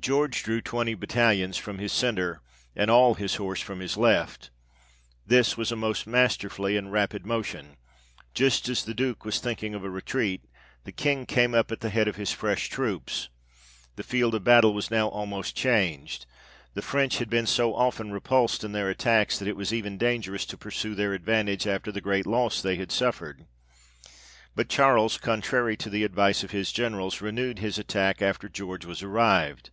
George drew twenty battalions from his centre, and all his horse from his left. This was a most masterly and rapid motion ; just as the Duke was thinking of a retreat, the King came up at the head of his fresh troops : the field of battle was now almost changed ; the 58 THE REIGN OF GEORGE VI. French had been so often repulsed in their attacks, that it was even dangerous to pursue their advantage after the great loss they had suffered, but Charles, contrary to the advice of his generals, renewed his attack after George was arrived.